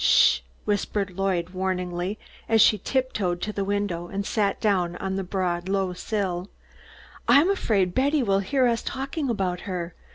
"Sh!" whispered Lloyd, warningly, as she tiptoed to the window and sat down on the broad, low sill. "I am afraid Betty will hear us talking about her.